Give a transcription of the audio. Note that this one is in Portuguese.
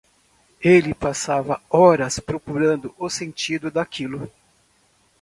Ela passava horas procurando o sentido daquilo.